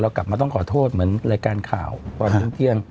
เรากลับมาต้องขอโทษเหมือนรายการข่าวพอเมื่อเตี้ยง